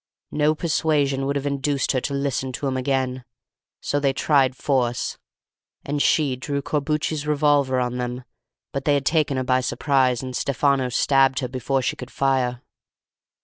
No persuasion would have induced her to listen to him again; so they tried force; and she drew Corbucci's revolver on them, but they had taken her by surprise, and Stefano stabbed her before she could fire."